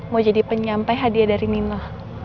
mau jadi penyampai hadiah dari mina